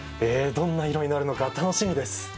へえどんな色になるのか楽しみです！